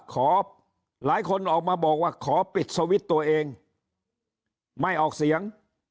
ขอหลายคนออกมาบอกว่าขอปิดสวิตช์ตัวเองไม่ออกเสียง